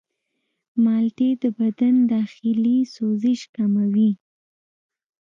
مالټې د بدن داخلي سوزش کموي.